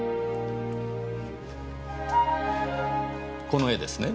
この絵ですね？